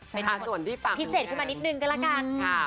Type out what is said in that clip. พิเศษขึ้นมานิดนึงก็ละกัน